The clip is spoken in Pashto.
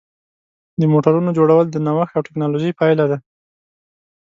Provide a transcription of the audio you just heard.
د موټرونو جوړول د نوښت او ټېکنالوژۍ پایله ده.